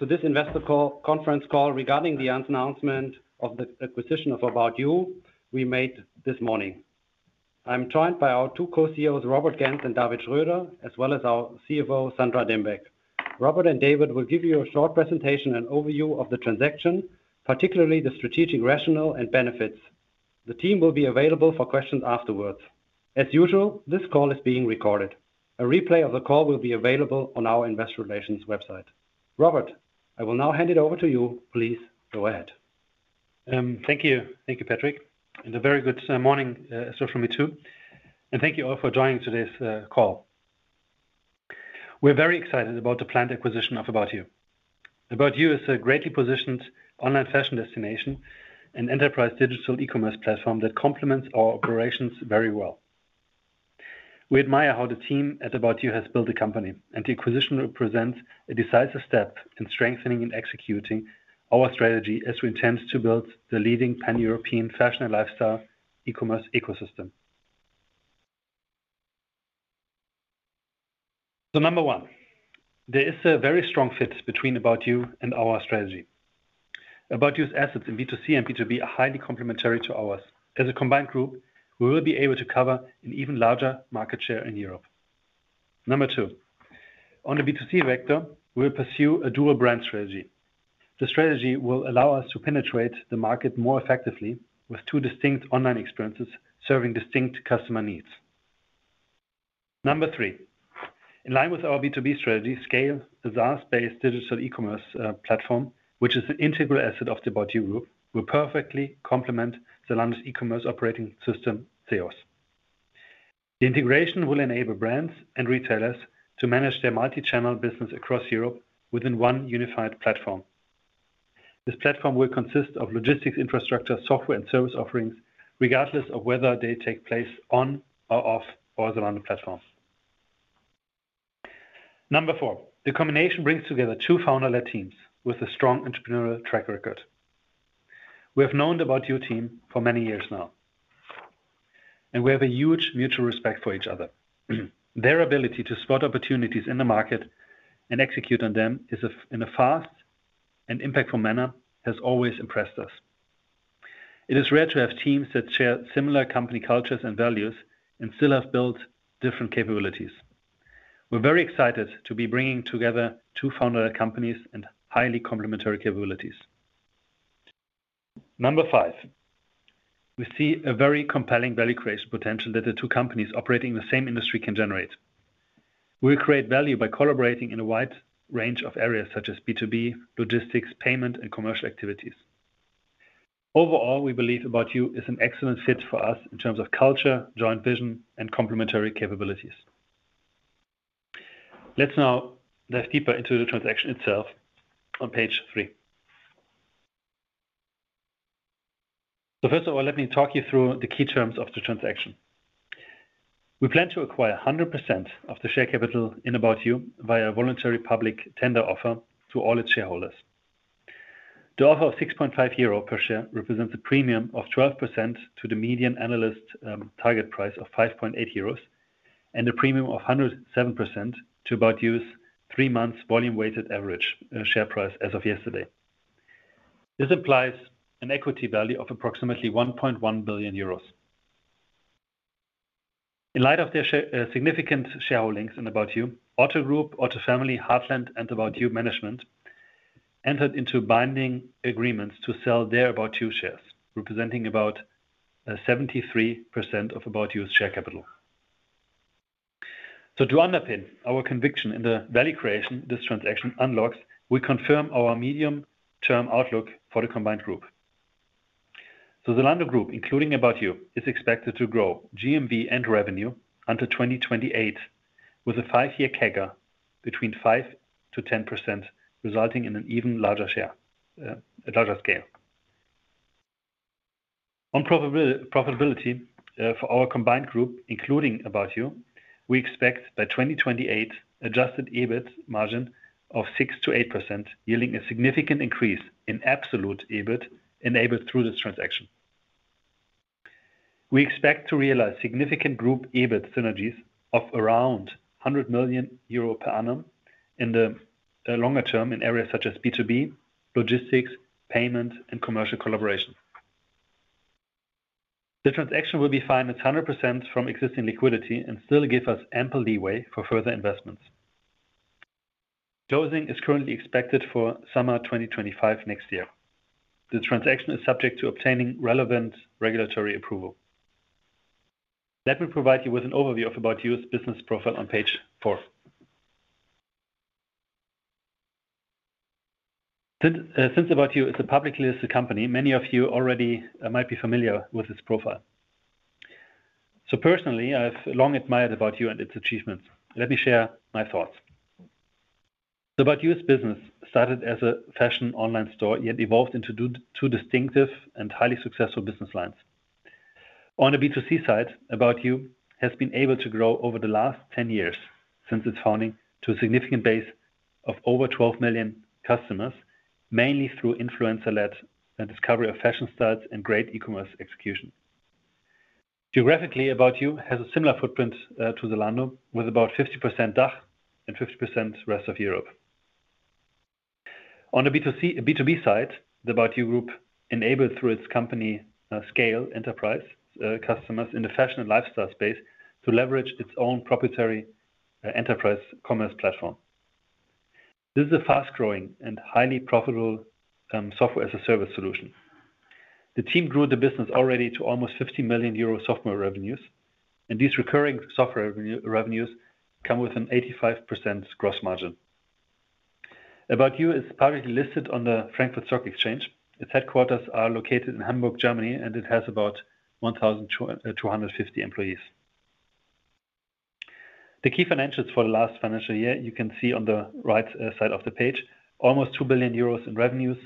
This investor conference call regarding the announcement of the acquisition of About You we made this morning. I'm joined by our two co-CEOs, Robert Gentz and David Schröder, as well as our CFO, Sandra Dembeck. Robert and David will give you a short presentation and overview of the transaction, particularly the strategic rationale and benefits. The team will be available for questions afterwards. As usual, this call is being recorded. A replay of the call will be available on our investor relations website. Robert, I will now hand it over to you. Please go ahead. Thank you. Thank you, Patrick. And a very good morning for me too. And thank you all for joining today's call. We're very excited about the planned acquisition of About You. About You is a well-positioned online fashion destination and enterprise digital e-commerce platform that complements our operations very well. We admire how the team at About You has built the company, and the acquisition represents a decisive step in strengthening and executing our strategy as we attempt to build the leading pan-European fashion and lifestyle e-commerce ecosystem. So number one, there is a very strong fit between About You and our strategy. About You's assets in B2C and B2B are highly complementary to ours. As a combined group, we will be able to cover an even larger market share in Europe. Number two, on the B2C vector, we will pursue a dual-brand strategy. The strategy will allow us to penetrate the market more effectively with two distinct online experiences serving distinct customer needs. Number three, in line with our B2B strategy SCAYLE, the SaaS-based digital e-commerce platform, which is an integral asset of the About You group, will perfectly complement Zalando's e-commerce operating system, ZEOS. The integration will enable brands and retailers to manage their multi-channel business across Europe within one unified platform. This platform will consist of logistics, infrastructure, software, and service offerings, regardless of whether they take place on or off our Zalando platform. Number four, the combination brings together two founder-led teams with a strong entrepreneurial track record. We have known the About You team for many years now, and we have a huge mutual respect for each other. Their ability to spot opportunities in the market and execute on them in a fast and impactful manner has always impressed us. It is rare to have teams that share similar company cultures and values and still have built different capabilities. We're very excited to be bringing together two founder-led companies and highly complementary capabilities. Number five, we see a very compelling value creation potential that the two companies operating in the same industry can generate. We will create value by collaborating in a wide range of areas such as B2B, logistics, payment, and commercial activities. Overall, we believe About You is an excellent fit for us in terms of culture, joint vision, and complementary capabilities. Let's now dive deeper into the transaction itself on page three. So first of all, let me talk you through the key terms of the transaction. We plan to acquire 100% of the share capital in About You via a voluntary public tender offer to all its shareholders. The offer of 6.5 euro per share represents a premium of 12% to the median analyst target price of 5.8 euros and a premium of 107% to About You's three-month volume-weighted average share price as of yesterday. This implies an equity value of approximately 1.1 billion euros. In light of their significant shareholdings in About You, Otto Group, Otto family, Heartland, and About You Management entered into binding agreements to sell their About You shares, representing about 73% of About You's share capital. So to underpin our conviction in the value creation this transaction unlocks, we confirm our medium-term outlook for the combined group. Zalando Group, including About You, is expected to grow GMV and revenue until 2028 with a five-year CAGR between 5% to 10%, resulting in an even larger share at larger scale. On profitability for our combined group, including About You, we expect by 2028 Adjusted EBIT margin of 6% to 8%, yielding a significant increase in absolute EBIT enabled through this transaction. We expect to realize significant group EBIT synergies of around 100 million euro per annum in the longer term in areas such as B2B, logistics, payment, and commercial collaboration. The transaction will be financed 100% from existing liquidity and still give us ample leeway for further investments. Closing is currently expected for summer 2025 next year. The transaction is subject to obtaining relevant regulatory approval. Let me provide you with an overview of About You's business profile on page four. Since About You is a publicly listed company, many of you already might be familiar with its profile. So personally, I've long admired About You and its achievements. Let me share my thoughts. About You's business started as a fashion online store, yet evolved into two distinctive and highly successful business lines. On the B2C side, About You has been able to grow over the last 10 years since its founding to a significant base of over 12 million customers, mainly through influencer-led discovery of fashion styles and great e-commerce execution. Geographically, About You has a similar footprint to Zalando with about 50% DACH and 50% rest of Europe. On the B2B side, the About You group enabled, through its company SCAYLE enterprise customers in the fashion and lifestyle space to leverage its own proprietary enterprise commerce platform. This is a fast-growing and highly profitable software as a service solution. The team grew the business already to almost 50 million euro in software revenues, and these recurring software revenues come with an 85% gross margin. About You is publicly listed on the Frankfurt Stock Exchange. Its headquarters are located in Hamburg, Germany, and it has about 1,250 employees. The key financials for the last financial year you can see on the right side of the page: almost 2 billion euros in revenues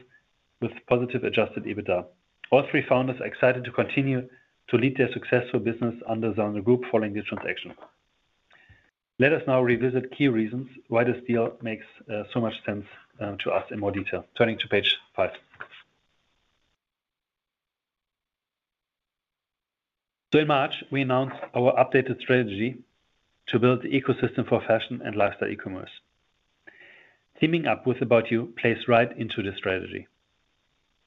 with positive Adjusted EBITDA. All three founders are excited to continue to lead their successful business under Zalando Group following this transaction. Let us now revisit key reasons why this deal makes so much sense to us in more detail. Turning to page five, so in March, we announced our updated strategy to build the ecosystem for fashion and lifestyle e-commerce. Teaming up with About You plays right into this strategy.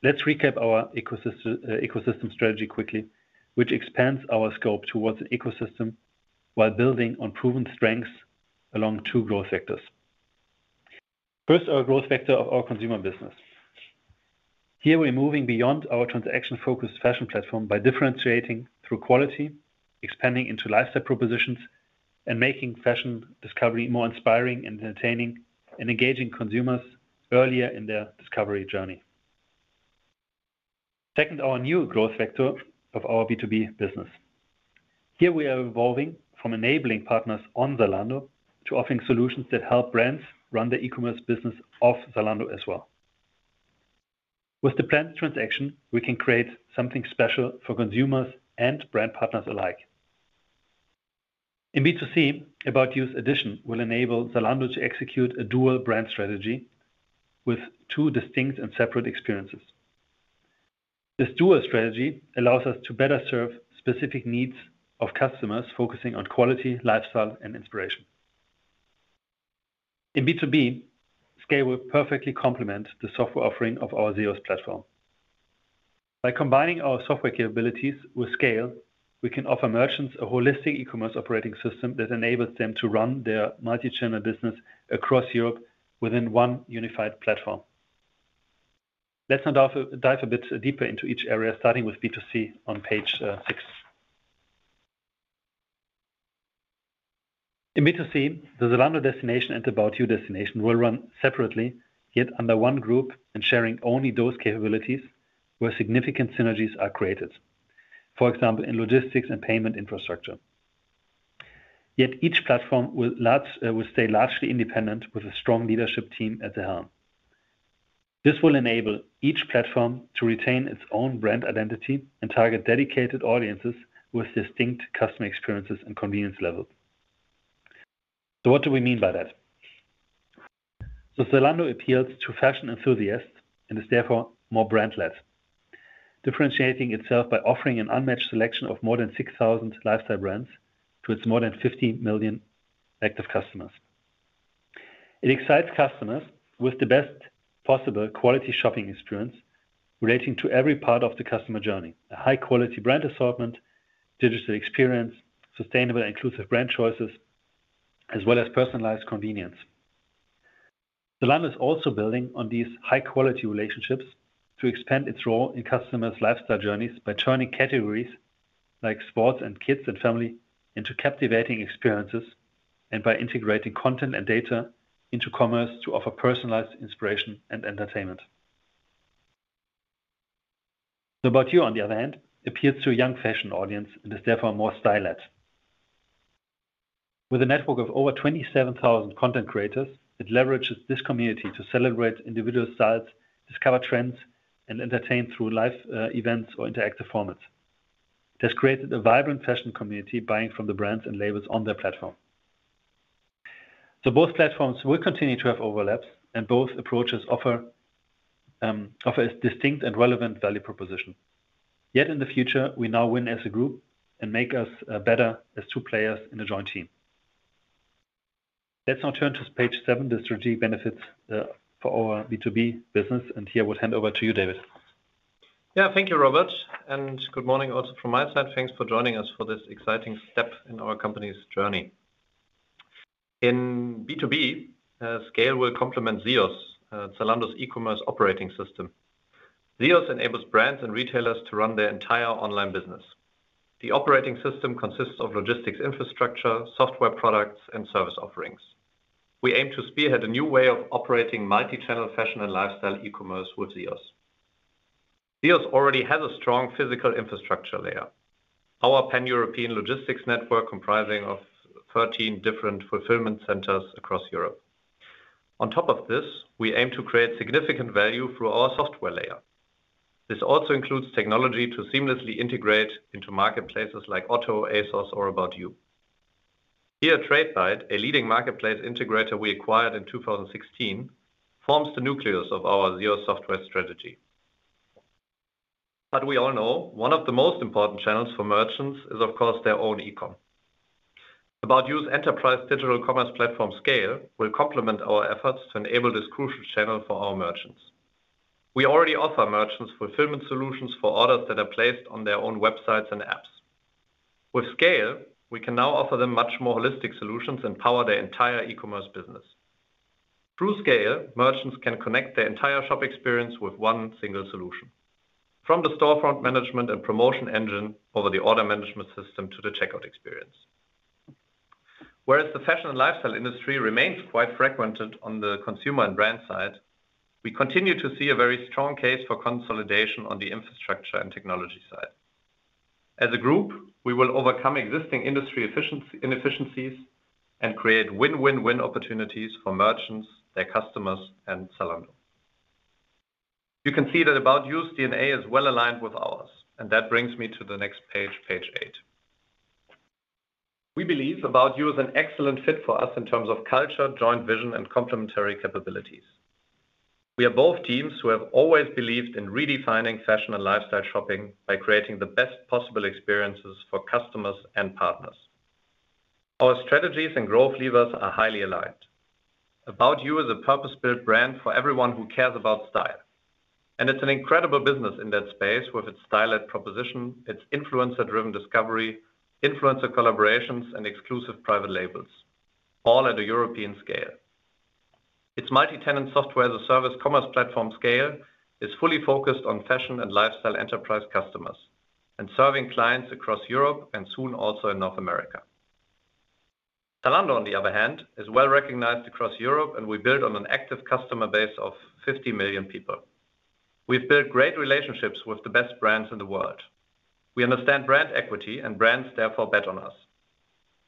Let's recap our ecosystem strategy quickly, which expands our scope towards an ecosystem while building on proven strengths along two growth vectors. First, our growth vector of our consumer business. Here we're moving beyond our transaction-focused fashion platform by differentiating through quality, expanding into lifestyle propositions, and making fashion discovery more inspiring and entertaining and engaging consumers earlier in their discovery journey. Second, our new growth vector of our B2B business. Here we are evolving from enabling partners on Zalando to offering solutions that help brands run the e-commerce business of Zalando as well. With the planned transaction, we can create something special for consumers and brand partners alike. In B2C, About You's addition will enable Zalando to execute a dual-brand strategy with two distinct and separate experiences. This dual strategy allows us to better serve specific needs of customers focusing on quality, lifestyle, and inspiration. In B2B, SCAYLE will perfectly complement the software offering of our ZEOS platform. By combining our software capabilities with SCAYLE, we can offer merchants a holistic e-commerce operating system that enables them to run their multi-channel business across Europe within one unified platform. Let's now dive a bit deeper into each area, starting with B2C on page six. In B2C, the Zalando destination and About You destination will run separately, yet under one group and sharing only those capabilities where significant synergies are created. For example, in logistics and payment infrastructure. Yet each platform will stay largely independent with a strong leadership team at the helm. This will enable each platform to retain its own brand identity and target dedicated audiences with distinct customer experiences and convenience levels. So what do we mean by that? So Zalando appeals to fashion enthusiasts and is therefore more brand-led, differentiating itself by offering an unmatched selection of more than 6,000 lifestyle brands to its more than 50 million active customers. It excites customers with the best possible quality shopping experience relating to every part of the customer journey: a high-quality brand assortment, digital experience, sustainable and inclusive brand choices, as well as personalized convenience. Zalando is also building on these high-quality relationships to expand its role in customers' lifestyle journeys by turning categories like sports and kids and family into captivating experiences and by integrating content and data into commerce to offer personalized inspiration and entertainment. About You, on the other hand, appeals to a young fashion audience and is therefore more style-led. With a network of over 27,000 content creators, it leverages this community to celebrate individual styles, discover trends, and entertain through live events or interactive formats. This created a vibrant fashion community buying from the brands and labels on their platform. So both platforms will continue to have overlaps, and both approaches offer a distinct and relevant value proposition. Yet in the future, we now win as a group and make us better as two players in a joint team. Let's now turn to page seven, the strategic benefits for our B2B business, and here we'll hand over to you, David. Yeah, thank you, Robert. And good morning also from my side. Thanks for joining us for this exciting step in our company's journey. In B2B, SCAYLE will complement ZEOS, Zalando's e-commerce operating system. ZEOS enables brands and retailers to run their entire online business. The operating system consists of logistics infrastructure, software products, and service offerings. We aim to spearhead a new way of operating multi-channel fashion and lifestyle e-commerce with ZEOS. ZEOS already has a strong physical infrastructure layer, our pan-European logistics network comprising of 13 different fulfillment centers across Europe. On top of this, we aim to create significant value through our software layer. This also includes technology to seamlessly integrate into marketplaces like Otto, ASOS, or About You. Here, Tradebyte, a leading marketplace integrator we acquired in 2016, forms the nucleus of our ZEOS software strategy. But we all know one of the most important channels for merchants is, of course, their own e-com. About You's enterprise digital commerce platform, SCAYLE, will complement our efforts to enable this crucial channel for our merchants. We already offer merchants fulfillment solutions for orders that are placed on their own websites and apps. With SCAYLE, we can now offer them much more holistic solutions and power their entire e-commerce business. Through SCAYLE, merchants can connect their entire shop experience with one single solution, from the storefront management and promotion engine over the order management system to the checkout experience. Whereas the fashion and lifestyle industry remains quite fragmented on the consumer and brand side, we continue to see a very strong case for consolidation on the infrastructure and technology side. As a group, we will overcome existing industry inefficiencies and create win-win-win opportunities for merchants, their customers, and Zalando. You can see that About You's DNA is well aligned with ours, and that brings me to the next page, page eight. We believe About You is an excellent fit for us in terms of culture, joint vision, and complementary capabilities. We are both teams who have always believed in redefining fashion and lifestyle shopping by creating the best possible experiences for customers and partners. Our strategies and growth levers are highly aligned. About You is a purpose-built brand for everyone who cares about style. And it's an incredible business in that space with its style-led proposition, its influencer-driven discovery, influencer collaborations, and exclusive private labels, all at a European scale. Its multi-tenant software as a service commerce platform, scale, is fully focused on fashion and lifestyle enterprise customers and serving clients across Europe and soon also in North America. Zalando, on the other hand, is well recognized across Europe, and we build on an active customer base of 50 million people. We've built great relationships with the best brands in the world. We understand brand equity, and brands therefore bet on us.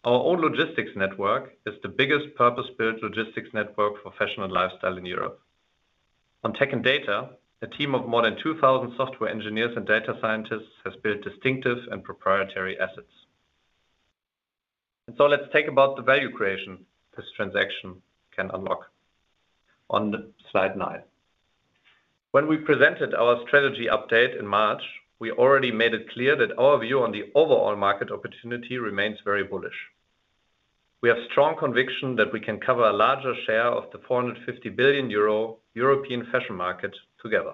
Our own logistics network is the biggest purpose-built logistics network for fashion and lifestyle in Europe. On tech and data, a team of more than 2,000 software engineers and data scientists has built distinctive and proprietary assets. And so let's talk about the value creation this transaction can unlock on slide nine. When we presented our strategy update in March, we already made it clear that our view on the overall market opportunity remains very bullish. We have strong conviction that we can cover a larger share of the 450 billion euro European fashion market together.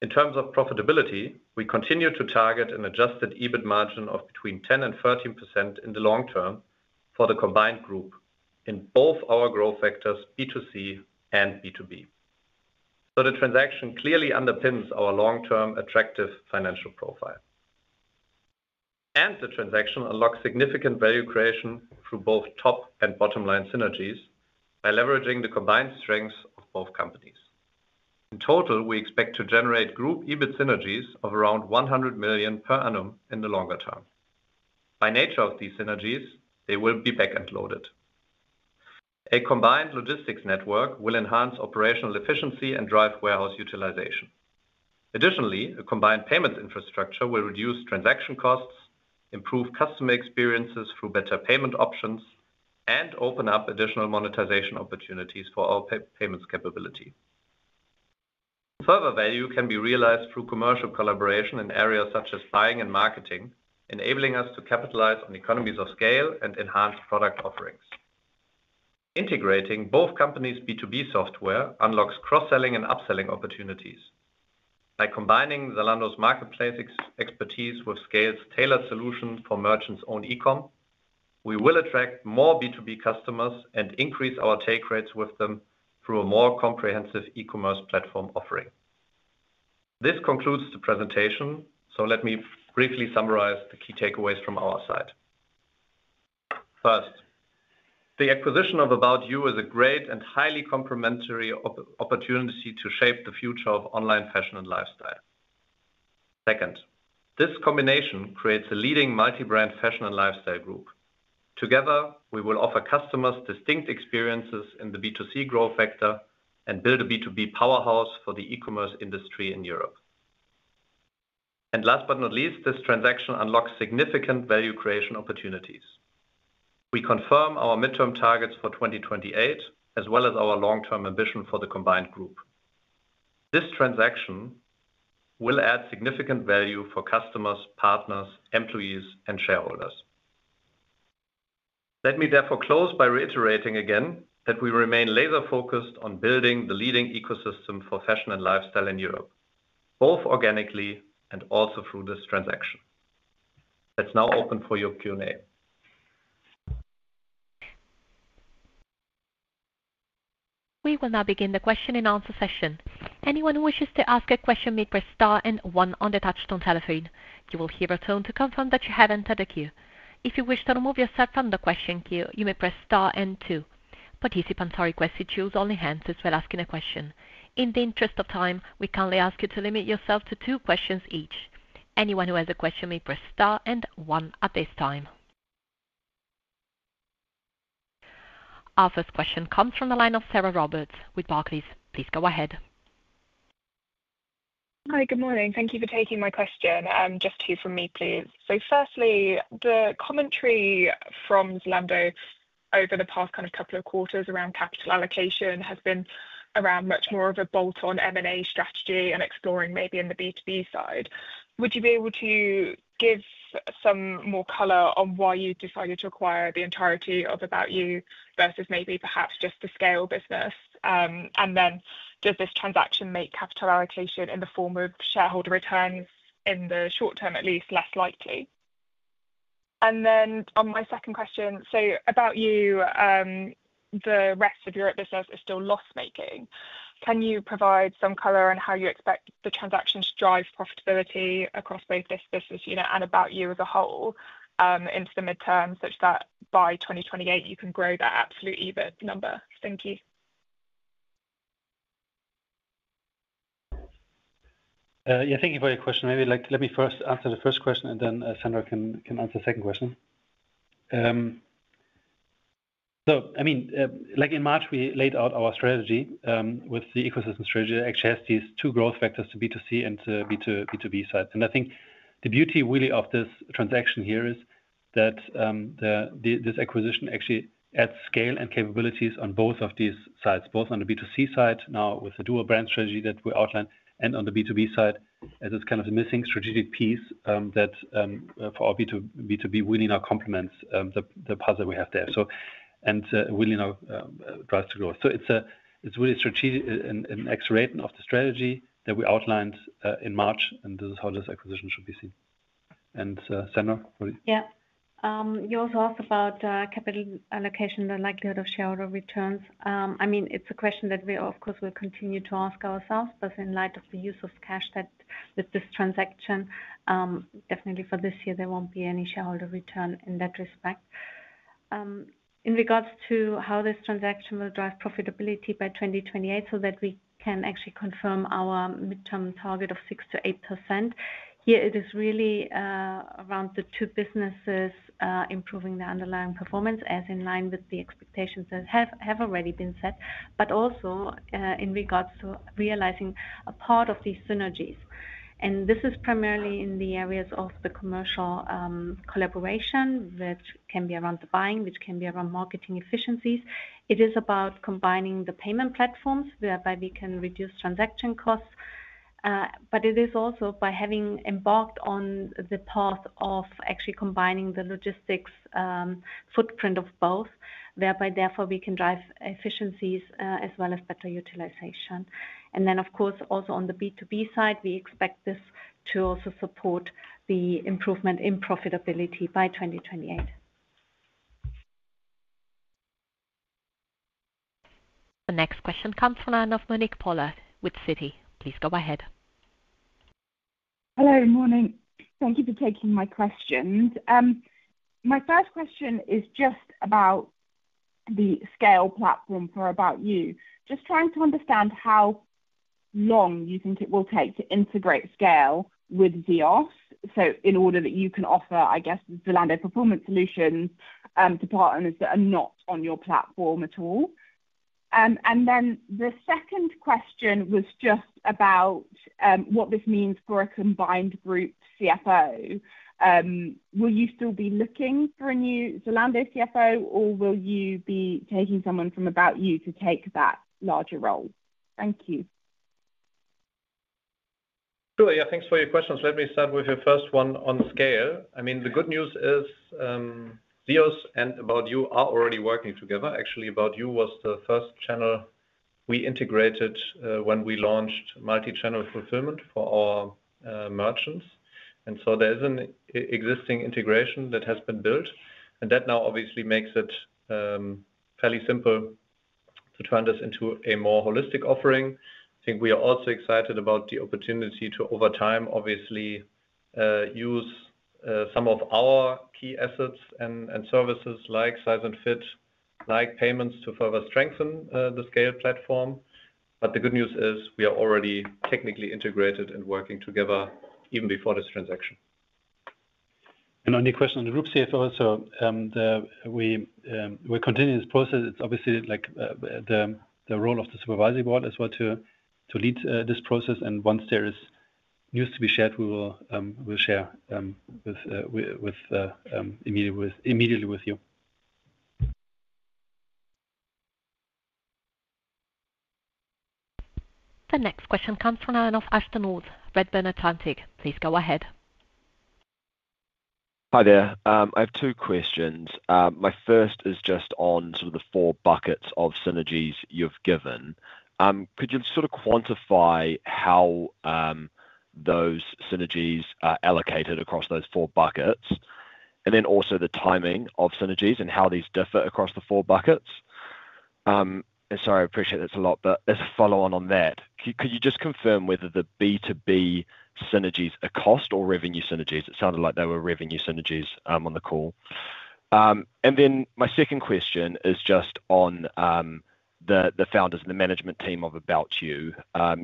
In terms of profitability, we continue to target an Adjusted EBIT margin of between 10% and 13% in the long term for the combined group in both our growth vectors, B2C and B2B. So the transaction clearly underpins our long-term attractive financial profile. The transaction unlocks significant value creation through both top and bottom line synergies by leveraging the combined strengths of both companies. In total, we expect to generate group EBIT synergies of around 100 million per annum in the longer term. By nature of these synergies, they will be back-end loaded. A combined logistics network will enhance operational efficiency and drive warehouse utilization. Additionally, a combined payments infrastructure will reduce transaction costs, improve customer experiences through better payment options, and open up additional monetization opportunities for our payments capability. Further value can be realized through commercial collaboration in areas such as buying and marketing, enabling us to capitalize on economies of scale and enhance product offerings. Integrating both companies' B2B software unlocks cross-selling and upselling opportunities. By combining Zalando's marketplace expertise with SCAYLE's tailored solution for merchants' own e-com, we will attract more B2B customers and increase our take rates with them through a more comprehensive e-commerce platform offering. This concludes the presentation, so let me briefly summarize the key takeaways from our side. First, the acquisition of About You is a great and highly complementary opportunity to shape the future of online fashion and lifestyle. Second, this combination creates a leading multi-brand fashion and lifestyle group. Together, we will offer customers distinct experiences in the B2C growth vector and build a B2B powerhouse for the e-commerce industry in Europe. And last but not least, this transaction unlocks significant value creation opportunities. We confirm our midterm targets for 2028, as well as our long-term ambition for the combined group. This transaction will add significant value for customers, partners, employees, and shareholders. Let me therefore close by reiterating again that we remain laser-focused on building the leading ecosystem for fashion and lifestyle in Europe, both organically and also through this transaction. That's now open for your Q&A. We will now begin the question-and-answer session. Anyone who wishes to ask a question may press star and one on the touch-tone telephone. You will hear a tone to confirm that you have entered a queue. If you wish to remove yourself from the question queue, you may press star and two. Participants are requested to use only the handset while asking a question. In the interest of time, we kindly ask you to limit yourself to two questions each. Anyone who has a question may press star and one at this time. Our first question comes from the line of Sarah Roberts with Barclays. Please go ahead. Hi, good morning. Thank you for taking my question. Just two from me, please. So firstly, the commentary from Zalando over the past kind of couple of quarters around capital allocation has been around much more of a bolt-on M&A strategy and exploring maybe in the B2B side. Would you be able to give some more color on why you decided to acquire the entirety of About You versus maybe perhaps just the SCAYLE business? And then does this transaction make capital allocation in the form of shareholder returns in the short term at least less likely? And then on my second question, so About You, the rest of your business is still loss-making. Can you provide some color on how you expect the transaction to drive profitability across both this business and About You as a whole into the midterm, such that by 2028, you can grow that absolute EBIT number? Thank you. Yeah, thank you for your question. Maybe let me first answer the first question, and then Sandra can answer the second question. So I mean, like in March, we laid out our strategy with the ecosystem strategy that actually has these two growth vectors, the B2C and the B2B side. And I think the beauty really of this transaction here is that this acquisition actually adds scale and capabilities on both of these sides, both on the B2C side now with the dual brand strategy that we outlined and on the B2B side, as it's kind of a missing strategic piece that for our B2B, we need now complements the puzzle we have there. So and we need now drives to growth. So it's really strategic and an acceleration of the strategy that we outlined in March, and this is how this acquisition should be seen. And Sandra, what do you? Yeah. You also asked about capital allocation, the likelihood of shareholder returns. I mean, it's a question that we, of course, will continue to ask ourselves, but in light of the use of cash with this transaction, definitely for this year, there won't be any shareholder return in that respect. In regards to how this transaction will drive profitability by 2028 so that we can actually confirm our midterm target of 6%-8%, here it is really around the two businesses improving the underlying performance as in line with the expectations that have already been set, but also in regards to realizing a part of these synergies. And this is primarily in the areas of the commercial collaboration, which can be around the buying, which can be around marketing efficiencies. It is about combining the payment platforms whereby we can reduce transaction costs, but it is also by having embarked on the path of actually combining the logistics footprint of both, whereby therefore we can drive efficiencies as well as better utilization. And then, of course, also on the B2B side, we expect this to also support the improvement in profitability by 2028. The next question comes from the line of Monique Pollard with Citi. Please go ahead. Hello, good morning. Thank you for taking my questions. My first question is just about the SCAYLE platform for About You. Just trying to understand how long you think it will take to integrate SCAYLE with ZEOS, so in order that you can offer, I guess, Zalando Fulfillment Solutions to partners that are not on your platform at all. And then the second question was just about what this means for a combined group CFO. Will you still be looking for a new Zalando CFO, or will you be taking someone from About You to take that larger role? Thank you. Sure, yeah. Thanks for your questions. Let me start with your first one on SCAYLE. I mean, the good news is ZEOS and About You are already working together. Actually, About You was the first channel we integrated when we launched multi-channel fulfillment for our merchants. And so there is an existing integration that has been built, and that now obviously makes it fairly simple to turn this into a more holistic offering. I think we are also excited about the opportunity to, over time, obviously use some of our key assets and services like size and fit, like payments to further strengthen the SCAYLE platform. But the good news is we are already technically integrated and working together even before this transaction. And on the question of the group CFO, so we will continue this process. It's obviously the role of the supervisory board as well to lead this process. And once there is news to be shared, we will share immediately with you. The next question comes from Anne Pascual, Redburn Atlantic. Please go ahead. Hi there. I have two questions. My first is just on sort of the four buckets of synergies you've given. Could you sort of quantify how those synergies are allocated across those four buckets? And then also the timing of synergies and how these differ across the four buckets. And sorry, I appreciate that's a lot, but as a follow-on on that, could you just confirm whether the B2B synergies are cost or revenue synergies? It sounded like they were revenue synergies on the call. And then my second question is just on the founders and the management team of About You.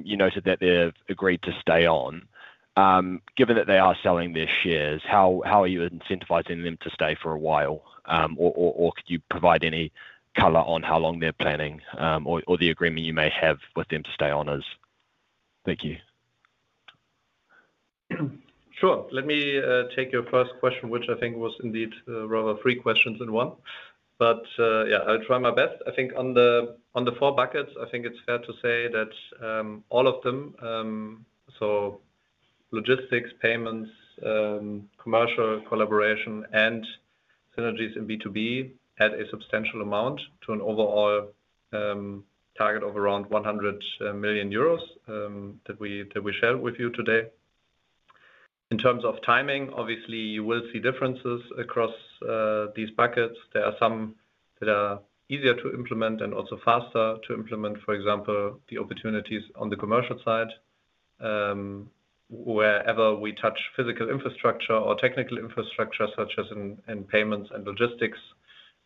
You noted that they've agreed to stay on. Given that they are selling their shares, how are you incentivizing them to stay for a while? Or could you provide any color on how long they're planning or the agreement you may have with them to stay on as? Thank you. Sure. Let me take your first question, which I think was indeed rather three questions in one. But yeah, I'll try my best. I think on the four buckets, I think it's fair to say that all of them, so logistics, payments, commercial collaboration, and synergies in B2B, add a substantial amount to an overall target of around 100 million euros that we shared with you today. In terms of timing, obviously, you will see differences across these buckets. There are some that are easier to implement and also faster to implement, for example, the opportunities on the commercial side. Wherever we touch physical infrastructure or technical infrastructure, such as in payments and logistics,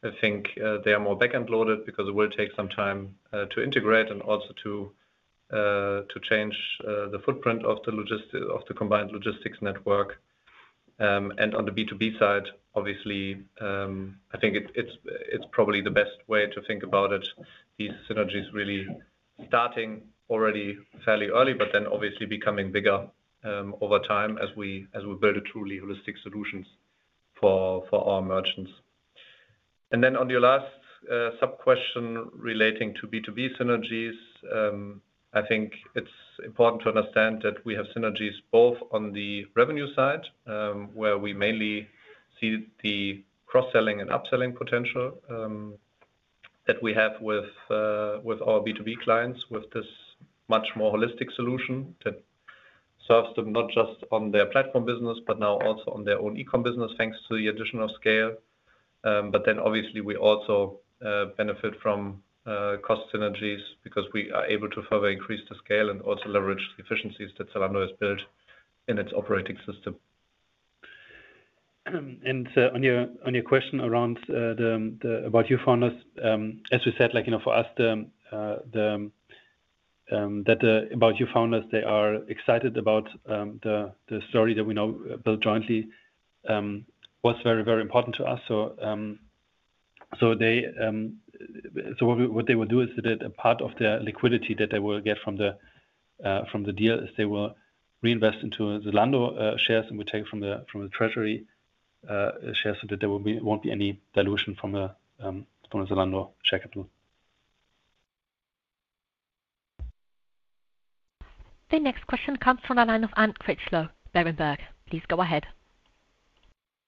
I think they are more back-end loaded because it will take some time to integrate and also to change the footprint of the combined logistics network. And on the B2B side, obviously, I think it's probably the best way to think about it, these synergies really starting already fairly early, but then obviously becoming bigger over time as we build truly holistic solutions for our merchants. And then on your last sub-question relating to B2B synergies, I think it's important to understand that we have synergies both on the revenue side, where we mainly see the cross-selling and upselling potential that we have with our B2B clients with this much more holistic solution that serves them not just on their platform business, but now also on their own e-com business thanks to the addition of SCAYLE. But then obviously, we also benefit from cost synergies because we are able to further increase the scale and also leverage the efficiencies that Zalando has built in its operating system. And on your question around the About You founders, as we said, for us, that the About You founders, they are excited about the story that we now build jointly was very, very important to us. So what they will do is that a part of their liquidity that they will get from the deal is they will reinvest into Zalando shares and we take from the treasury shares so that there won't be any dilution from the Zalando share capital. The next question comes from the line of Anne Critchlow, Berenberg. Please go ahead.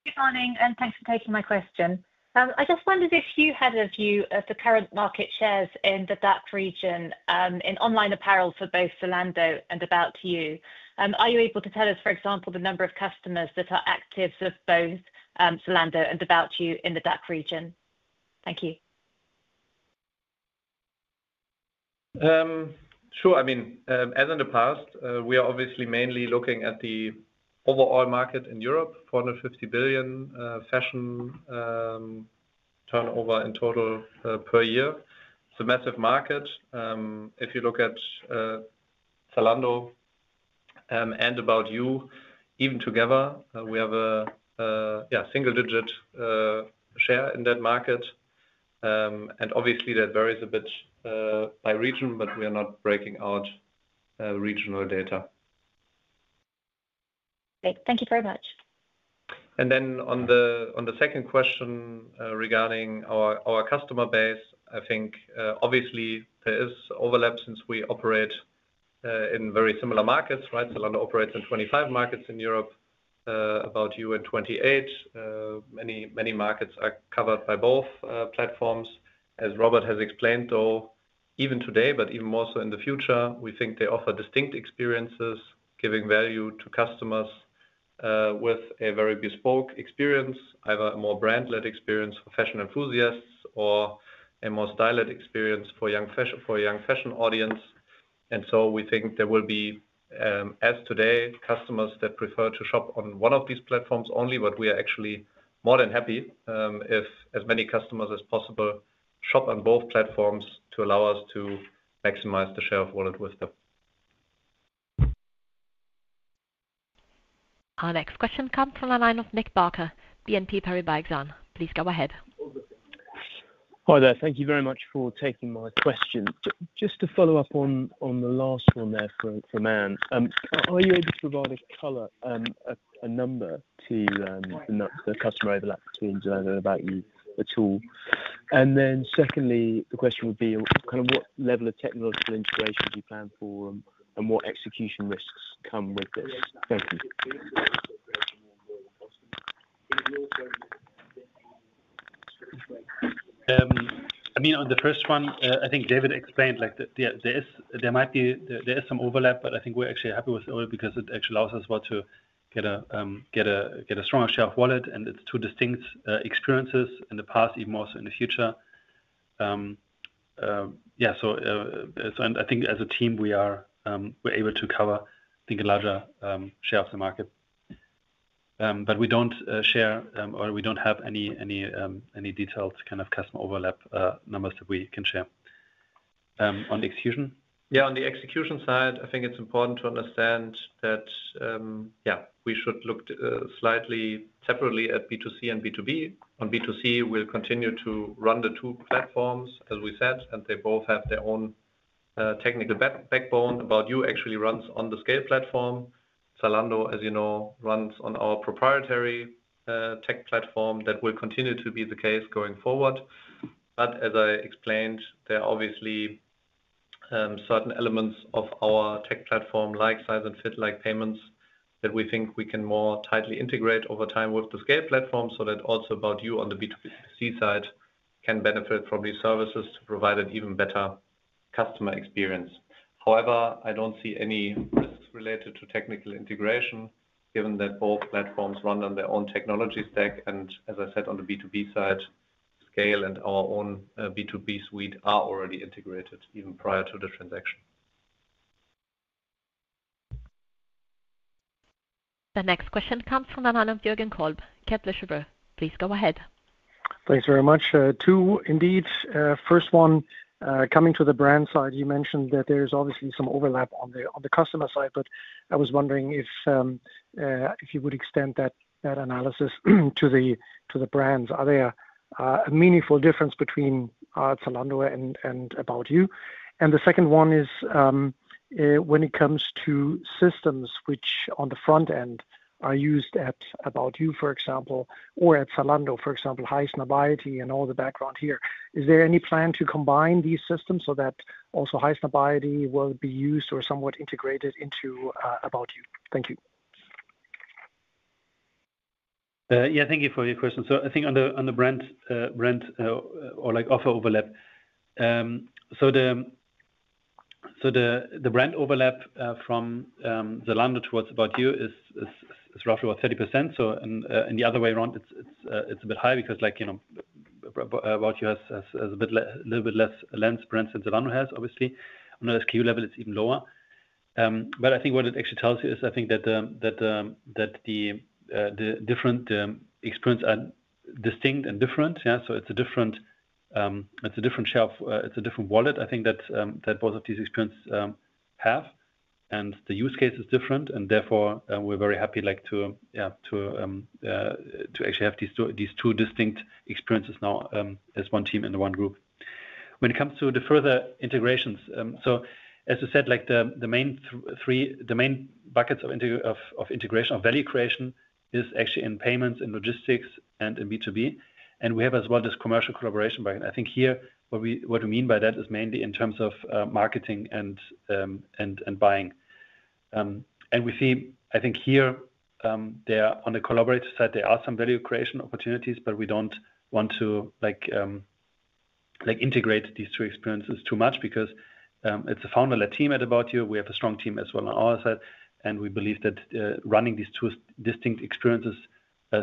Good morning, and thanks for taking my question. I just wondered if you had a view of the current market shares in the DACH region in online apparel for both Zalando and About You. Are you able to tell us, for example, the number of customers that are active for both Zalando and About You in the DACH region? Thank you. Sure. I mean, as in the past, we are obviously mainly looking at the overall market in Europe, 450 billion fashion turnover in total per year. It's a massive market. If you look at Zalando and About You, even together, we have a single-digit share in that market. And obviously, that varies a bit by region, but we are not breaking out regional data. Great. Thank you very much. And then on the second question regarding our customer base, I think obviously there is overlap since we operate in very similar markets, right? Zalando operates in 25 markets in Europe, About You in 28. Many markets are covered by both platforms. As Robert has explained, though, even today, but even more so in the future, we think they offer distinct experiences, giving value to customers with a very bespoke experience, either a more brand-led experience for fashion enthusiasts or a more stylized experience for a young fashion audience. And so we think there will be, as today, customers that prefer to shop on one of these platforms only, but we are actually more than happy if as many customers as possible shop on both platforms to allow us to maximize the share of wallet with them. Our next question comes from the line of Nick Barker, BNP Paribas Exane. Please go ahead. Hi there. Thank you very much for taking my question. Just to follow up on the last one there from Anne, are you able to provide a color, a number to the customer overlap between Zalando and About You at all? And then secondly, the question would be kind of what level of technological integration do you plan for and what execution risks come with this? Thank you. I mean, on the first one, I think David explained that there might be some overlap, but I think we're actually happy with it because it actually allows us to get a stronger share of wallet, and it's two distinct experiences in the past, even more so in the future. Yeah. So I think as a team, we are able to cover, I think, a larger share of the market. But we don't share, or we don't have any detailed kind of customer overlap numbers that we can share. On the execution? Yeah. On the execution side, I think it's important to understand that, yeah, we should look slightly separately at B2C and B2B. On B2C, we'll continue to run the two platforms, as we said, and they both have their own technical backbone. About You actually runs on the SCAYLE platform. Zalando, as you know, runs on our proprietary tech platform. That will continue to be the case going forward. But as I explained, there are obviously certain elements of our tech platform, like size and fit, like payments, that we think we can more tightly integrate over time with the scale platform so that also About You on the B2C side can benefit from these services to provide an even better customer experience. However, I don't see any risks related to technical integration given that both platforms run on their own technology stack. And as I said, on the B2B side, scale and our own B2B suite are already integrated even prior to the transaction. The next question comes from the line of Jürgen Kolb, Kepler Cheuvreux. Please go ahead. Thanks very much. Two indeed. First one, coming to the brand side, you mentioned that there is obviously some overlap on the customer side, but I was wondering if you would extend that analysis to the brands. Are there a meaningful difference between Zalando and About You? And the second one is when it comes to systems which on the front end are used at About You, for example, or at Zalando, for example, Highsnobiety and all the background here. Is there any plan to combine these systems so that also Highsnobiety will be used or somewhat integrated into About You? Thank you. Yeah, thank you for your question. So I think on the brand or offer overlap, so the brand overlap from Zalando towards About You is roughly about 30%. So, in the other way around, it's a bit high because About You has a little bit less brands than Zalando has, obviously. On the SKU level, it's even lower. But I think what it actually tells you is I think that the different experiences are distinct and different. Yeah. So it's a different share of it's a different wallet, I think, that both of these experiences have. And the use case is different. And therefore, we're very happy to actually have these two distinct experiences now as one team and one group. When it comes to the further integrations, so as we said, the main buckets of integration, of value creation, is actually in payments, in logistics, and in B2B. And we have as well this commercial collaboration. But I think here what we mean by that is mainly in terms of marketing and buying. I think here, on the collaborative side, there are some value creation opportunities, but we don't want to integrate these two experiences too much because it's a founder-led team at About You. We have a strong team as well on our side. We believe that running these two distinct experiences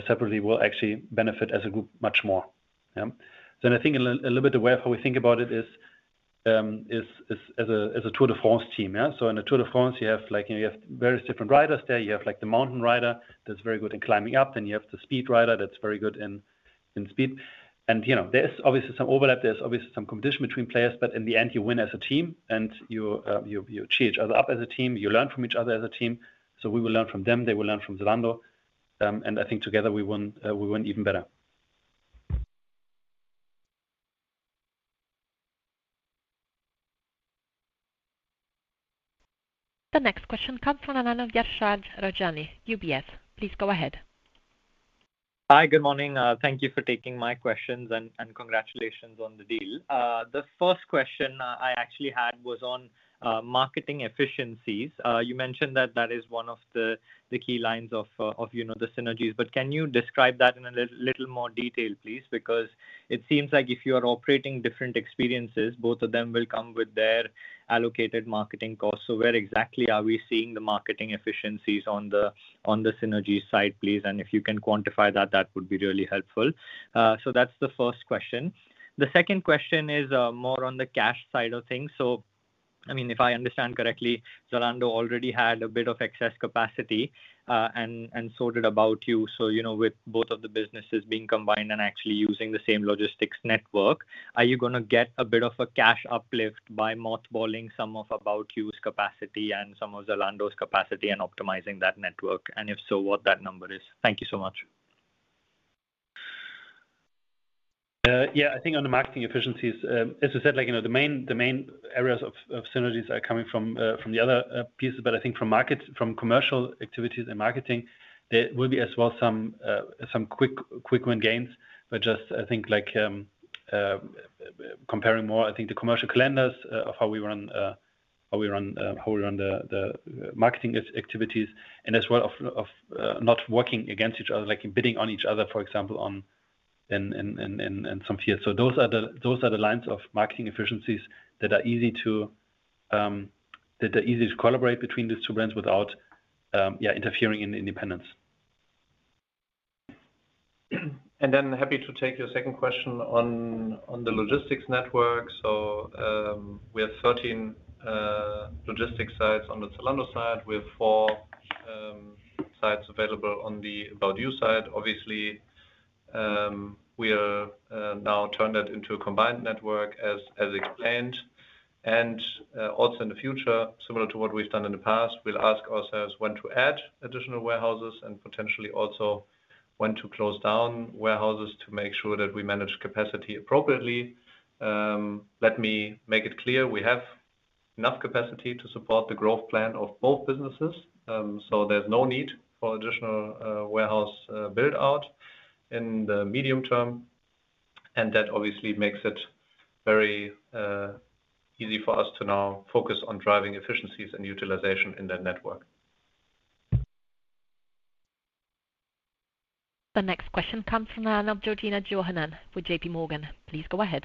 separately will actually benefit as a group much more. Yeah. I think a little bit of where we think about it is as a Tour de France team. Yeah. In a Tour de France, you have various different riders there. You have the mountain rider that's very good in climbing up. Then you have the speed rider that's very good in speed. There is obviously some overlap. There's obviously some competition between players. In the end, you win as a team, and you cheer each other up as a team. You learn from each other as a team. So we will learn from them. They will learn from Zalando. And I think together, we win even better. The next question comes from the line of Yashraj Rajani, UBS. Please go ahead. Hi. Good morning. Thank you for taking my questions and congratulations on the deal. The first question I actually had was on marketing efficiencies. You mentioned that that is one of the key lines of the synergies. But can you describe that in a little more detail, please? Because it seems like if you are operating different experiences, both of them will come with their allocated marketing costs. So where exactly are we seeing the marketing efficiencies on the synergy side, please? And if you can quantify that, that would be really helpful. So that's the first question. The second question is more on the cash side of things. So, I mean, if I understand correctly, Zalando already had a bit of excess capacity and so did About You. So with both of the businesses being combined and actually using the same logistics network, are you going to get a bit of a cash uplift by mothballing some of About You's capacity and some of Zalando's capacity and optimizing that network? And if so, what that number is? Thank you so much. Yeah. I think on the marketing efficiencies, as we said, the main areas of synergies are coming from the other pieces. But I think from commercial activities and marketing, there will be as well some quick win-gains. But just I think comparing more, I think the commercial calendars of how we run the marketing activities and as well of not working against each other, like bidding on each other, for example, in some fees. So those are the lines of marketing efficiencies that are easy to collaborate between these two brands without interfering in independence. And then happy to take your second question on the logistics network. So we have 13 logistics sites on the Zalando side. We have four sites available on the About You side. Obviously, we are now turning that into a combined network, as explained. And also in the future, similar to what we've done in the past, we'll ask ourselves when to add additional warehouses and potentially also when to close down warehouses to make sure that we manage capacity appropriately. Let me make it clear. We have enough capacity to support the growth plan of both businesses. So there's no need for additional warehouse build-out in the medium term. And that obviously makes it very easy for us to now focus on driving efficiencies and utilization in that network. The next question comes from the line of Georgina Johanan with J.P. Morgan. Please go ahead.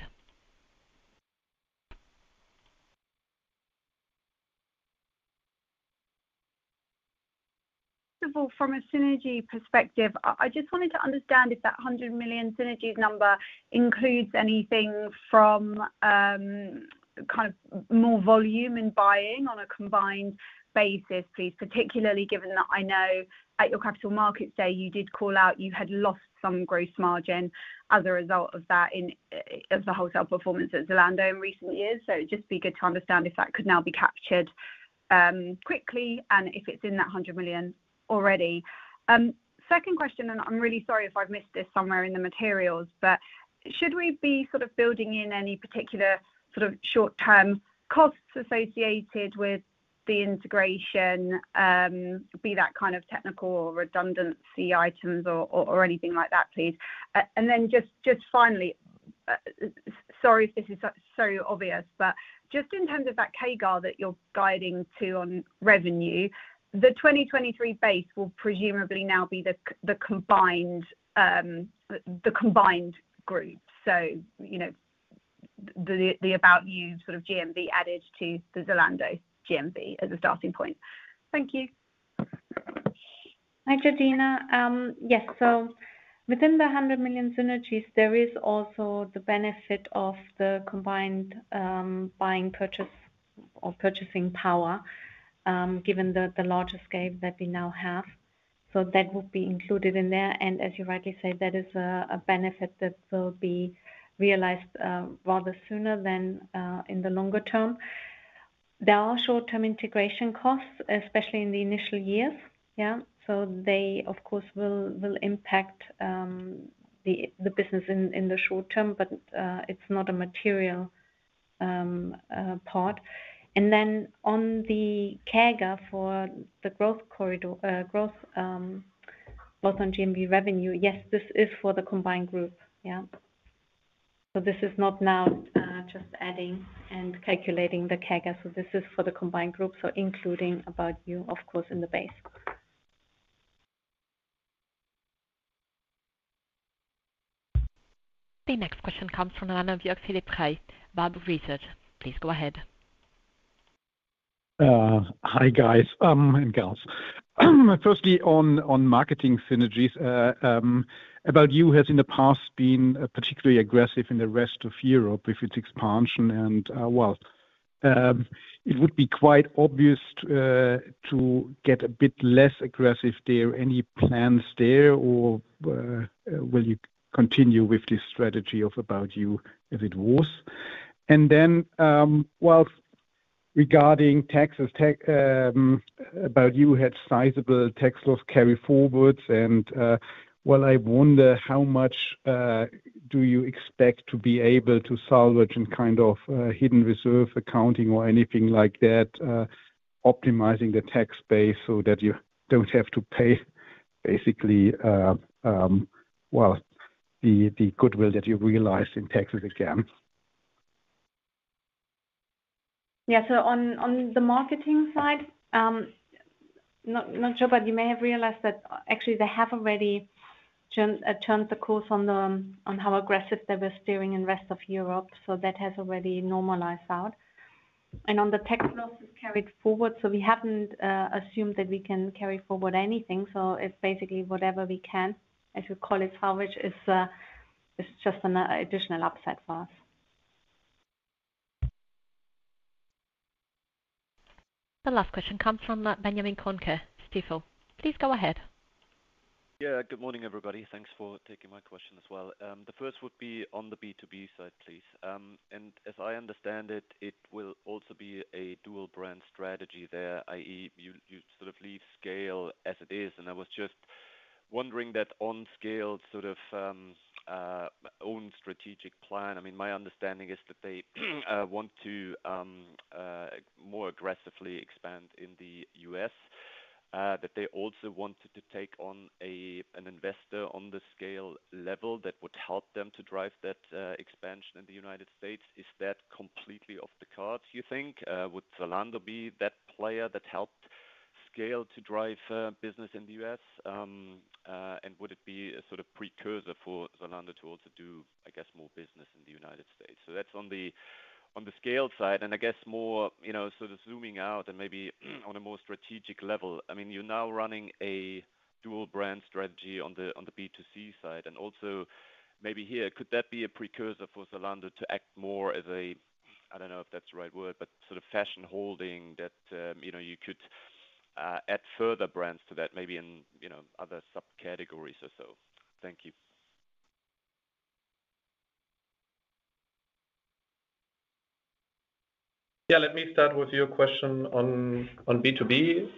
First of all, from a synergy perspective, I just wanted to understand if that 100 million synergy number includes anything from kind of more volume in buying on a combined basis, please, particularly given that I know at your capital markets day, you did call out you had lost some gross margin as a result of that in the wholesale performance at Zalando in recent years. So it'd just be good to understand if that could now be captured quickly and if it's in that 100 million already. Second question, and I'm really sorry if I've missed this somewhere in the materials, but should we be sort of building in any particular sort of short-term costs associated with the integration, be that kind of technical or redundancy items or anything like that, please? And then just finally, sorry if this is so obvious, but just in terms of that CAGR that you're guiding to on revenue, the 2023 base will presumably now be the combined group. So the About You sort of GMV added to the Zalando GMV as a starting point. Thank you. Hi, Georgina. Yes. So within the 100 million synergies, there is also the benefit of the combined buying power or purchasing power given the larger scale that we now have. So that would be included in there. As you rightly say, that is a benefit that will be realized rather sooner than in the longer term. There are short-term integration costs, especially in the initial years. Yeah. So they, of course, will impact the business in the short term, but it's not a material part. And then on the CAGR for the growth both on GMV revenue, yes, this is for the combined group. Yeah. So this is not now just adding and calculating the CAGR. So this is for the combined group. So including About You, of course, in the base. The next question comes from the line of Jörg Frey, Warburg Research. Please go ahead. Hi, guys and girls. Firstly, on marketing synergies, About You has in the past been particularly aggressive in the rest of Europe with its expansion and, well, it would be quite obvious to get a bit less aggressive. Are there any plans there, or will you continue with this strategy of About You as it was? And then, well, regarding taxes, About You had sizable tax loss carry forwards. And, well, I wonder how much do you expect to be able to salvage and kind of hidden reserve accounting or anything like that, optimizing the tax base so that you don't have to pay basically, well, the goodwill that you realized in taxes again? Yeah, so on the marketing side, not sure, but you may have realized that actually they have already turned the course on how aggressive they were steering in the rest of Europe, so that has already normalized out, and on the tax losses carried forward, so we haven't assumed that we can carry forward anything, so it's basically whatever we can, as we call it, salvage is just an additional upside for us. The last question comes from Benjamin Kohnke, Stifel. Please go ahead. Yeah. Good morning, everybody. Thanks for taking my question as well. The first would be on the B2B side, please. And as I understand it, it will also be a dual-brand strategy there, i.e., you sort of leave SCAYLE as it is. And I was just wondering that on SCAYLE's sort of own strategic plan, I mean, my understanding is that they want to more aggressively expand in the U.S., that they also wanted to take on an investor on the SCAYLE level that would help them to drive that expansion in the United States. Is that completely off the cards, you think? Would Zalando be that player that helped SCAYLE to drive business in the U.S.? And would it be a sort of precursor for Zalando to also do, I guess, more business in the United States? So that's on the SCAYLE side. And I guess more sort of zooming out and maybe on a more strategic level, I mean, you're now running a dual-brand strategy on the B2C side. And also maybe here, could that be a precursor for Zalando to act more as a, I don't know if that's the right word, but sort of fashion holding that you could add further brands to that, maybe in other subcategories or so? Thank you. Yeah. Let me start with your question on B2B.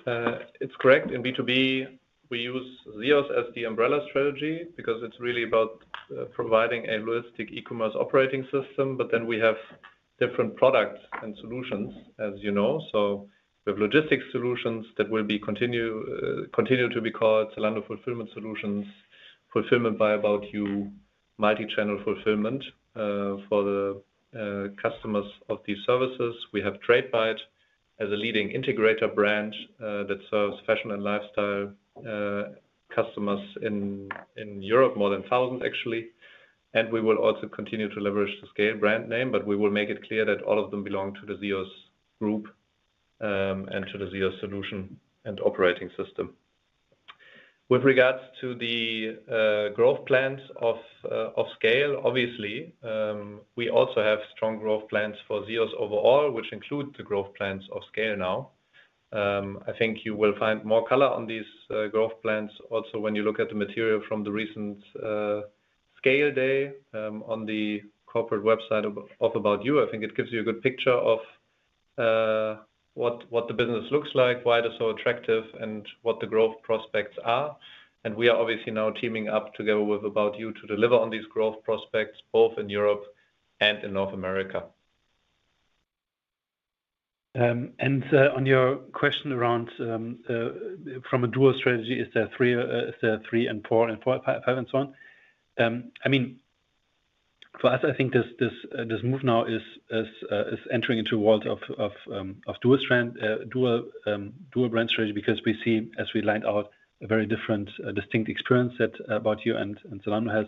It's correct. In B2B, we use ZEOS as the umbrella strategy because it's really about providing a logistic e-commerce operating system. But then we have different products and solutions, as you know. So we have logistics solutions that will continue to be called Zalando Fulfillment Solutions, Fulfillment by About You, multi-channel fulfillment for the customers of these services. We have Tradebyte as a leading integrator brand that serves fashion and lifestyle customers in Europe, more than 1,000, actually, and we will also continue to leverage the scale brand name, but we will make it clear that all of them belong to the ZEOS group and to the ZEOS solution and operating system. With regards to the growth plans of scale, obviously, we also have strong growth plans for ZEOS overall, which include the growth plans of scale now. I think you will find more color on these growth plans also when you look at the material from the recent SCAYLE Day on the corporate website of About You. I think it gives you a good picture of what the business looks like, why it is so attractive, and what the growth prospects are. And we are obviously now teaming up together with About You to deliver on these growth prospects, both in Europe and in North America. And on your question around from a dual strategy, is there three and four and five and so on? I mean, for us, I think this move now is entering into worlds of dual-brand strategy because we see, as we lined out, a very different distinct experience that About You and Zalando has.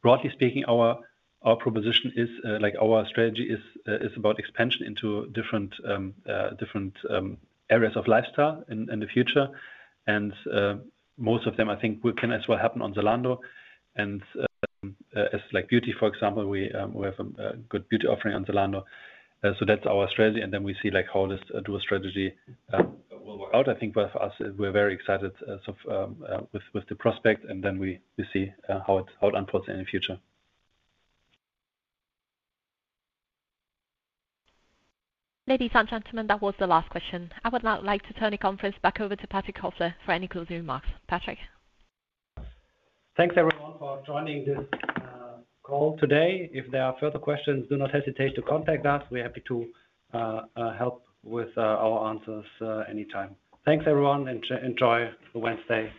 Broadly speaking, our proposition is our strategy is about expansion into different areas of lifestyle in the future. And most of them, I think, can as well happen on Zalando. And as beauty, for example, we have a good beauty offering on Zalando. So that's our strategy. And then we see how this dual strategy will work out. I think for us, we're very excited with the prospect. And then we see how it unfolds in the future. Ladies and gentlemen, that was the last question. I would now like to turn the conference back over to Patrick Kofler for any closing remarks. Patrick. Thanks, everyone, for joining this call today. If there are further questions, do not hesitate to contact us. We're happy to help with our answers anytime. Thanks, everyone, and enjoy Wednesday.